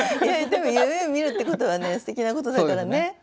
でも夢をみるってことはすてきなことだからね。